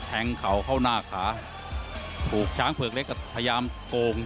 แทงเขาเข้าหน้าขาถูกช้างเผล็กล้ะกระทยามกง